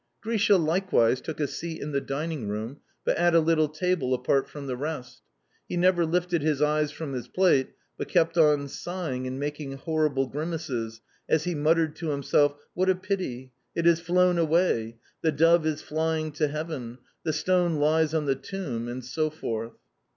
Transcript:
Grisha likewise took a seat in the dining room, but at a little table apart from the rest. He never lifted his eyes from his plate, but kept on sighing and making horrible grimaces, as he muttered to himself: "What a pity! It has flown away! The dove is flying to heaven! The stone lies on the tomb!" and so forth.